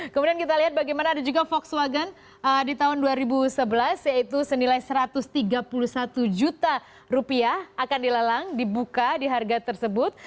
kemudian kita lihat bagaimana ada juga volkswagen di tahun dua ribu sebelas yaitu senilai satu ratus tiga puluh satu juta rupiah akan dilelang dibuka di harga tersebut